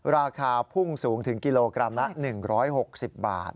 ราคาพุ่งสูงถึงกิโลกรัมละ๑๖๐บาท